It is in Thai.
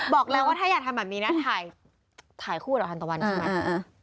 บอกแล้วว่าถ้าอยากทำแบบนี้นะถ่ายคู่กับเราทันตะวันใช่ไหม